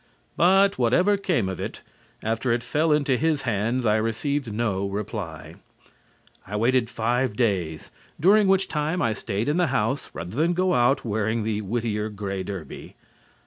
But whatever became of it after it fell into his hands, I received no reply. I waited five days, during which time I stayed in the house rather than go out wearing the Whittier gray derby.